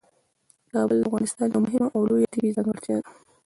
کابل د افغانستان یوه مهمه او لویه طبیعي ځانګړتیا ده.